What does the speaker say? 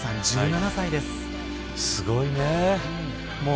すごいね。